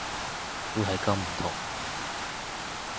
會係咁唔同